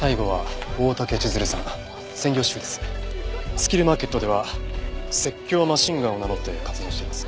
スキルマーケットでは説教マシンガンを名乗って活動しています。